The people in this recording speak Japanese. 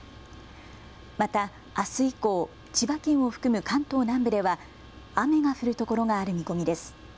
またあす以降、千葉県を含む関東南部では雨が降る所がある見込みです。